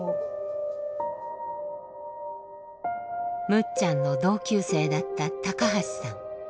むっちゃんの同級生だった橋さん。